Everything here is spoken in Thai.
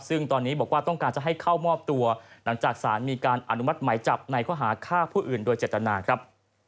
ซึ่งตอนนี้บอกว่าต้องการจะให้เข้ามอบตัวหลังจากสารมีการอนุมัติหมายจับในข้อหาฆ่าผู้อื่นโดยเจตนาครับ